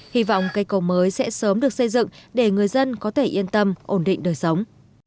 hy vọng cây cầu mới sẽ sớm được xây dựng để người dân có thể yên tâm ổn định đời sống